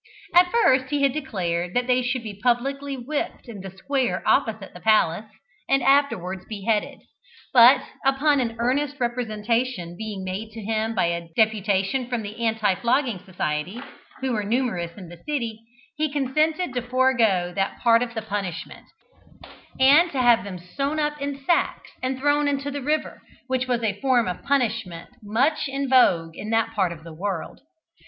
At first he had declared that they should be publicly whipped in the square opposite the palace, and afterwards be beheaded, but upon an earnest representation being made to him by a deputation from the anti flogging society, who were numerous in the city, he consented to forego that part of the punishment, and to have them sewn up in sacks and thrown into the river, which was a form of punishment much in vogue in that part of the world.